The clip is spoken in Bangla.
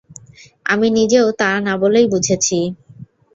আমি নিজেও তা না বলেই বুঝেছি।